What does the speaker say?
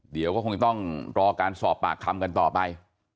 เดี๋ยวก็คงต้องรอการสอบปากคำกันต่อไป